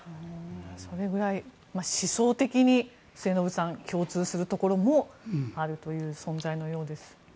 それぐらい思想的に末延さん、共通するところもあるという存在のようです。